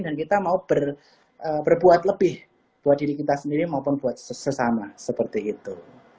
dan kita mau berbuat lebih buat diri kita sendiri maupun buat sesama seperti itu